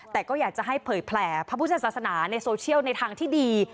แต่ก็อยากจะให้เผยแผลพระพุทธศาสนาในโซเชียลในทางที่ดี